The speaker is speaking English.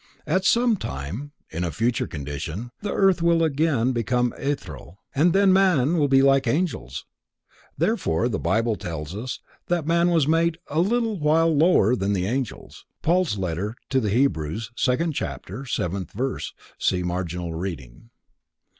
At some time, in a future condition, the earth will again become ethereal. Then man will be like the angels. Therefore the Bible tells us that man was made a little while lower than the angels (Paul's letter to the Hebrews, second chapter, seventh verse; see marginal reading.)